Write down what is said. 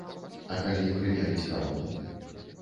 А калі прымерыць карону?